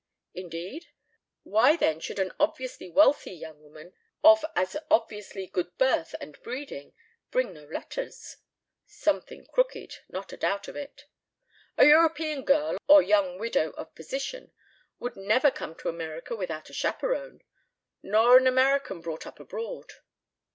Indeed? Why then should an obviously wealthy young woman of as obviously good birth and breeding bring no letters? Something crooked, not a doubt of it. A European girl or young widow of position would never come to America without a chaperon; nor an American brought up abroad.